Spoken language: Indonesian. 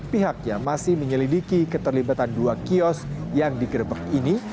pihaknya masih menyelidiki keterlibatan dua kios yang digerebek ini